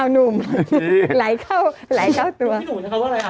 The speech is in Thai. หลายเก่าตัว